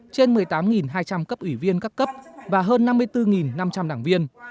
trên một mươi tám hai trăm linh cấp ủy viên các cấp và hơn năm mươi bốn năm trăm linh đảng viên